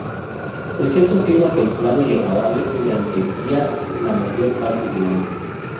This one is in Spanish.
Presenta un clima templado y agradable durante el día la mayor parte del año.